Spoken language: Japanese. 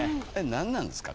何なんですか？